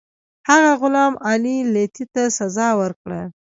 هغه غلام علي لیتي ته سزا ورکړه.